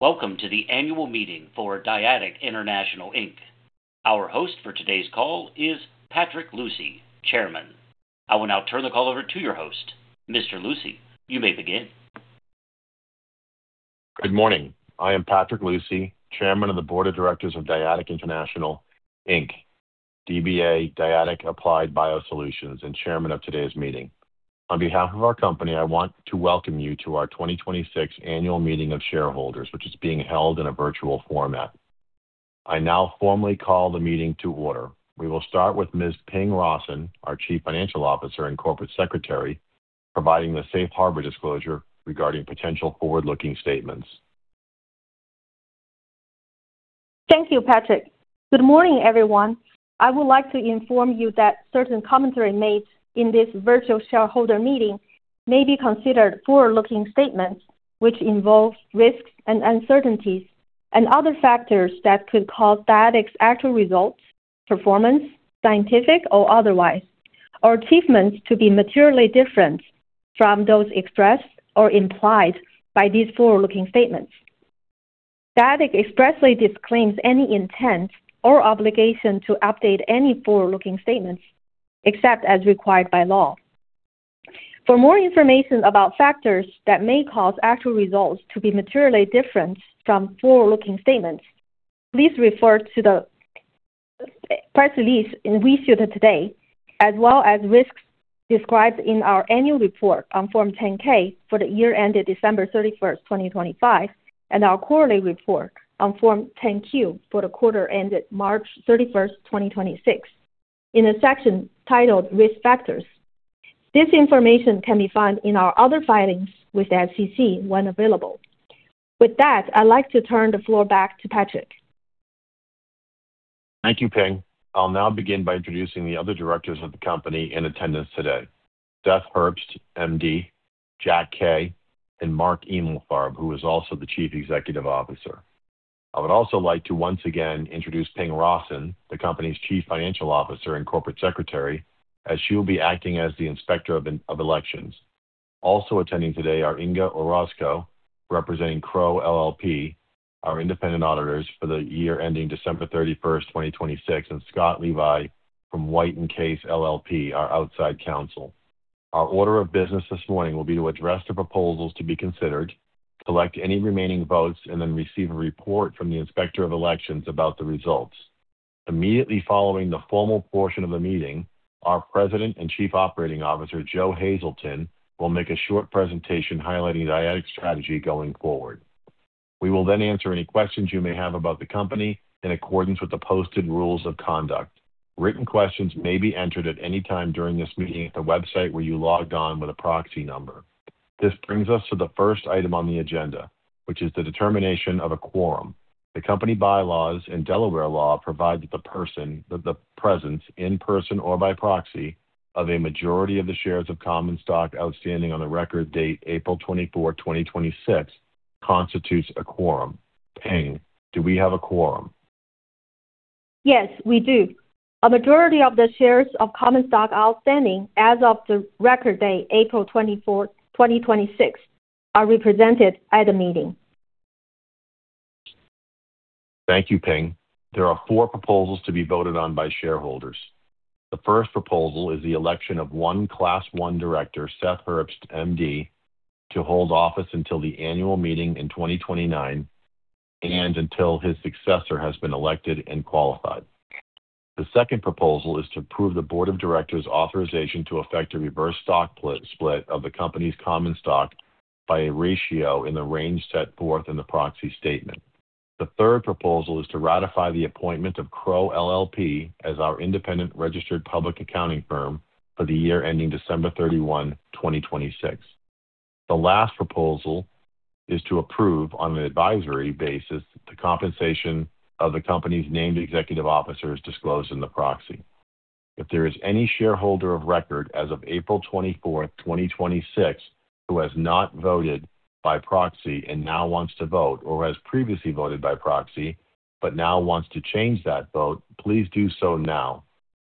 Welcome to the Annual Meeting for Dyadic International Inc. Our host for today's call is Patrick Lucy, Chairman. I will now turn the call over to your host. Mr. Lucy, you may begin. Good morning. I am Patrick Lucy, Chairman of the Board of Directors of Dyadic International Inc, dba Dyadic Applied BioSolutions, and chairman of today's meeting. On behalf of our company, I want to welcome you to our 2026 Annual Meeting of Shareholders, which is being held in a virtual format. I now formally call the meeting to order. We will start with Ms. Ping Rawson, our Chief Financial Officer and Corporate Secretary, providing the safe harbor disclosure regarding potential forward-looking statements. Thank you, Patrick. Good morning, everyone. I would like to inform you that certain commentary made in this virtual shareholder meeting may be considered forward-looking statements, which involve risks and uncertainties and other factors that could cause Dyadic's actual results, performance, scientific or otherwise, or achievements to be materially different from those expressed or implied by these forward-looking statements. Dyadic expressly disclaims any intent or obligation to update any forward-looking statements, except as required by law. For more information about factors that may cause actual results to be materially different from forward-looking statements, please refer to the press release we issued today, as well as risks described in our annual report on Form 10-K for the year ended December 31st, 2025, and our quarterly report on Form 10-Q for the quarter ended March 31st, 2026 in a section titled Risk Factors. This information can be found in our other filings with the SEC when available. With that, I'd like to turn the floor back to Patrick. Thank you, Ping. I will now begin by introducing the other directors of the company in attendance today. Seth Herbst, MD, Jack Kaye, and Mark Emalfarb, who is also the Chief Executive Officer. I would also like to once again introduce Ping Rawson, the company's Chief Financial Officer and Corporate Secretary, as she will be acting as the Inspector of Elections. Also attending today are Inga Orozco, representing Crowe LLP, our independent auditors for the year ending December 31st, 2026, and Scott Levi from White & Case LLP, our outside counsel. Our order of business this morning will be to address the proposals to be considered, collect any remaining votes, and receive a report from the Inspector of Elections about the results. Immediately following the formal portion of the meeting, our President and Chief Operating Officer, Joe Hazelton, will make a short presentation highlighting Dyadic's strategy going forward. We will answer any questions you may have about the company in accordance with the posted rules of conduct. Written questions may be entered at any time during this meeting at the website where you logged on with a proxy number. This brings us to the first item on the agenda, which is the determination of a quorum. The company bylaws and Delaware law provide that the presence in person or by proxy of a majority of the shares of common stock outstanding on the record date, April 24, 2026, constitutes a quorum. Ping, do we have a quorum? Yes, we do. A majority of the shares of common stock outstanding as of the record date, April 24, 2026, are represented at the meeting. Thank you, Ping. There are four proposals to be voted on by shareholders. The first proposal is the election of one Class I director, Seth Herbst, MD, to hold office until the Annual Meeting in 2029 and until his successor has been elected and qualified. The second proposal is to approve the Board of Directors' authorization to effect a reverse stock split of the company's common stock by a ratio in the range set forth in the proxy statement. The third proposal is to ratify the appointment of Crowe LLP as our independent registered public accounting firm for the year ending December 31, 2026. The last proposal is to approve, on an advisory basis, the compensation of the company's named executive officers disclosed in the proxy. If there is any shareholder of record as of April 24th, 2026, who has not voted by proxy and now wants to vote, or has previously voted by proxy but now wants to change that vote, please do so now.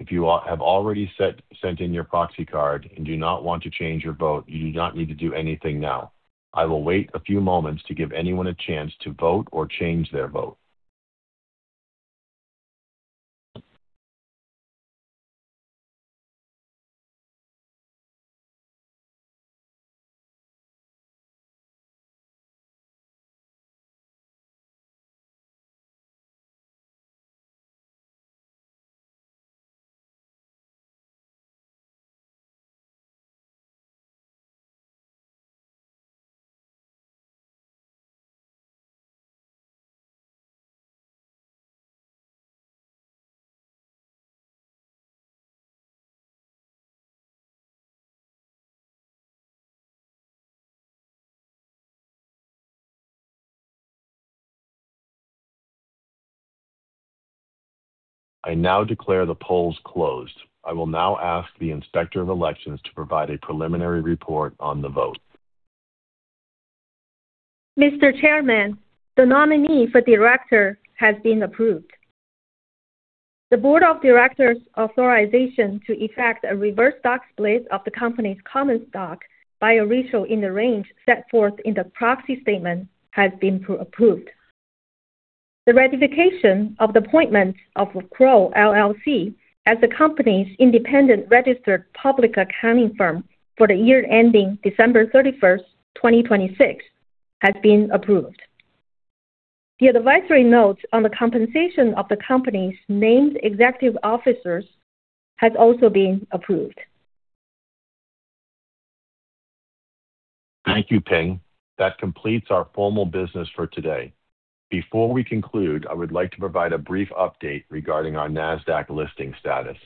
If you have already sent in your proxy card and do not want to change your vote, you do not need to do anything now. I will wait a few moments to give anyone a chance to vote or change their vote. I now declare the polls closed. I will now ask the Inspector of Elections to provide a preliminary report on the vote. Mr. Chairman, the nominee for director has been approved. The Board of Directors' authorization to effect a reverse stock split of the company's common stock by a ratio in the range set forth in the proxy statement has been approved. The ratification of the appointment of Crowe LLP as the company's independent registered public accounting firm for the year ending December 31st, 2026 has been approved. The advisory notes on the compensation of the company's named executive officers has also been approved. Thank you, Ping. That completes our formal business for today. Before we conclude, I would like to provide a brief update regarding our Nasdaq listing status.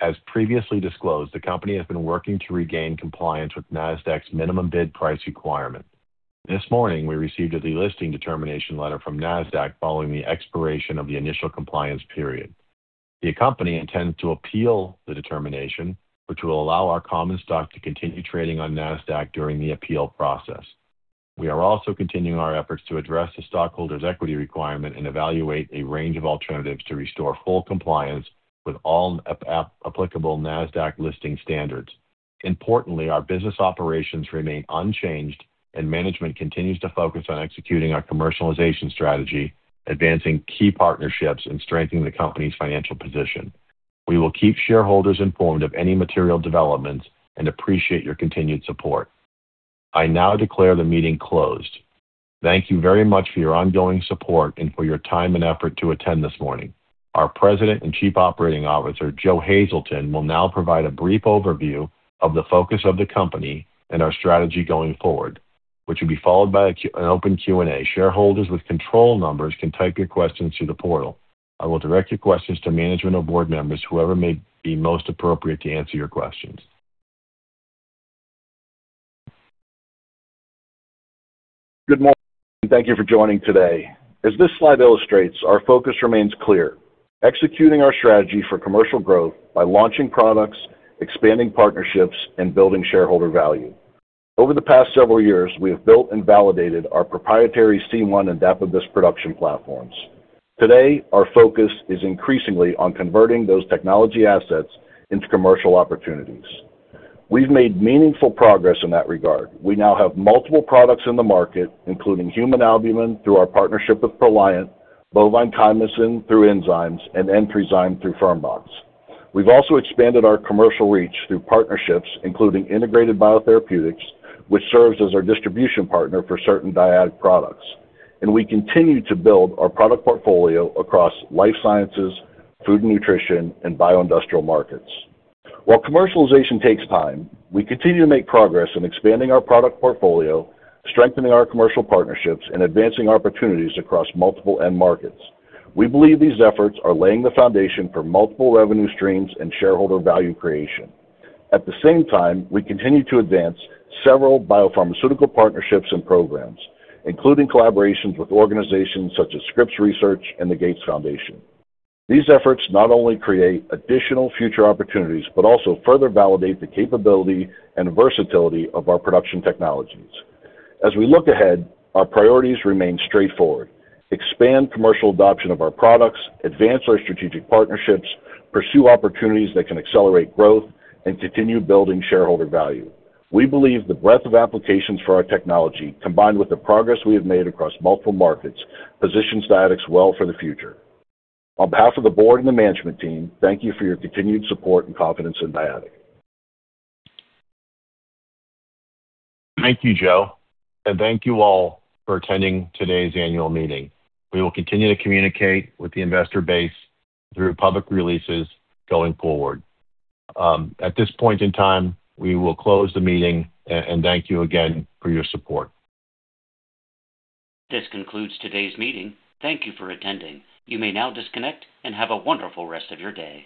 As previously disclosed, the company has been working to regain compliance with Nasdaq's minimum bid price requirement. This morning, we received a delisting determination letter from Nasdaq following the expiration of the initial compliance period. The company intends to appeal the determination, which will allow our common stock to continue trading on Nasdaq during the appeal process. We are also continuing our efforts to address the stockholders' equity requirement and evaluate a range of alternatives to restore full compliance with all applicable Nasdaq listing standards. Importantly, our business operations remain unchanged, and management continues to focus on executing our commercialization strategy, advancing key partnerships, and strengthening the company's financial position. We will keep shareholders informed of any material developments and appreciate your continued support. I now declare the meeting closed. Thank you very much for your ongoing support and for your time and effort to attend this morning. Our President and Chief Operating Officer, Joe Hazelton, will now provide a brief overview of the focus of the company and our strategy going forward, which will be followed by an open Q&A. Shareholders with control numbers can type your questions through the portal. I will direct your questions to management or board members, whoever may be most appropriate to answer your questions. Good morning. Thank you for joining today. As this slide illustrates, our focus remains clear: executing our strategy for commercial growth by launching products, expanding partnerships, and building shareholder value. Over the past several years, we have built and validated our proprietary C1 and Dapibus production platforms. Today, our focus is increasingly on converting those technology assets into commercial opportunities. We've made meaningful progress in that regard. We now have multiple products in the market, including human albumin through our partnership with Proliant, bovine chymosin through Inzymes, and an DNase I through Fermbox. We've also expanded our commercial reach through partnerships, including Integrated Biotherapeutics, which serves as our distribution partner for certain Dyadic products. We continue to build our product portfolio across life sciences, food and nutrition, and bioindustrial markets. While commercialization takes time, we continue to make progress in expanding our product portfolio, strengthening our commercial partnerships, and advancing opportunities across multiple end markets. We believe these efforts are laying the foundation for multiple revenue streams and shareholder value creation. At the same time, we continue to advance several biopharmaceutical partnerships and programs, including collaborations with organizations such as Scripps Research and the Gates Foundation. These efforts not only create additional future opportunities but also further validate the capability and versatility of our production technologies. As we look ahead, our priorities remain straightforward. Expand commercial adoption of our products, advance our strategic partnerships, pursue opportunities that can accelerate growth, and continue building shareholder value. We believe the breadth of applications for our technology, combined with the progress we have made across multiple markets, positions Dyadic well for the future. On behalf of the board and the management team, thank you for your continued support and confidence in Dyadic. Thank you, Joe. Thank you all for attending today's Annual Meeting. We will continue to communicate with the investor base through public releases going forward. At this point in time, we will close the meeting. Thank you again for your support. This concludes today's meeting. Thank you for attending. You may now disconnect, and have a wonderful rest of your day.